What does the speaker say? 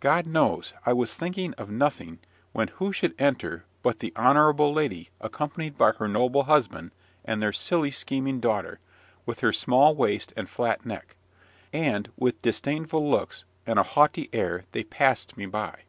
God knows, I was thinking of nothing, when who should enter but the honourable Lady accompanied by her noble husband and their silly, scheming daughter, with her small waist and flat neck; and, with disdainful looks and a haughty air they passed me by.